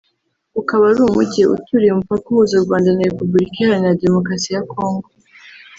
ukaba ari umujyi uturiye umupaka uhuza u Rwanda na Repubulika iharanira Demokarasi ya Congo